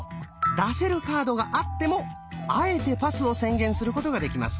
出せるカードがあってもあえてパスを宣言することができます。